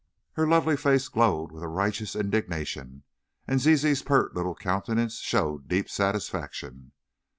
Her lovely face glowed with righteous indignation, and Zizi's pert little countenance showed deep satisfaction.